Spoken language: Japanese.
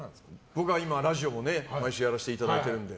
僕は今ラジオも毎週やらせていただいてるので。